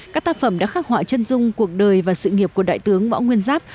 các tác phẩm đã khắc họa chân dung cuộc đời và sự nghiệp của đại tướng võ nguyên giáp